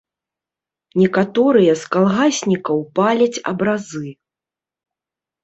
Некаторыя з калгаснікаў паляць абразы.